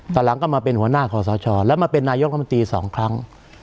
ตอนหลังก็มาเป็นหัวหน้าขอสชแล้วมาเป็นนายกรัฐมนตรี๒ครั้ง